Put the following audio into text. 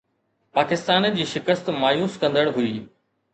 پاڪستان جي شڪست مايوس ڪندڙ هئي